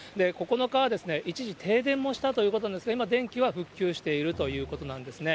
９日は一時、停電もしたということなんですが、今、電気は復旧しているということなんですね。